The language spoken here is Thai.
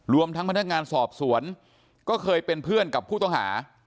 รวมทั้งพนักงานสอบสวนก็เคยเป็นเพื่อนกับผู้ต้องหา